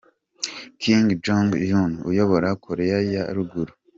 Kim Jong Un uyobora Koreya ya ruguru.